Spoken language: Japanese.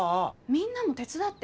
みんなも手伝って！